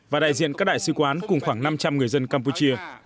và đại diện các đại sứ quán cùng khoảng năm trăm linh người dân campuchia